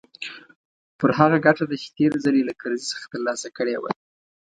پر هغه ګټه ده چې تېر ځل يې له کرزي څخه ترلاسه کړې وه.